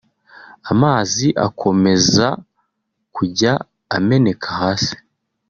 amazi akomeza kujya ameneka hasi